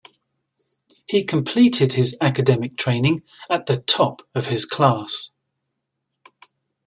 He completed his academic training at the top of his class.